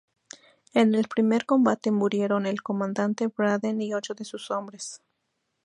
En el primer combate murieron el comandante Braden y ocho de sus hombres.